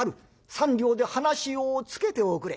３両で話をつけておくれ」。